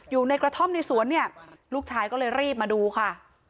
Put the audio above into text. อยู่ในกระท่อมในสวนเนี่ยลูกชายก็เลยรีบมาดูค่ะ